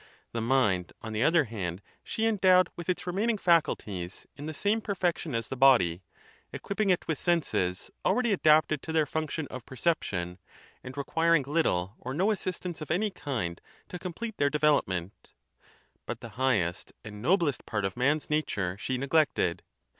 Themindontheotherhandsheendowed with its remaining faculties in the same perfection as the body, equipping it with senses already adapted to their function of perception and requiring little or no assistance of any kind to complete their develop ment; but the highest and noblest part of man's nature she neglected.